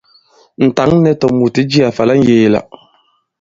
Ǹ tǎŋ nɛ̄ tòmùt i jiā fa la ŋyēe-la.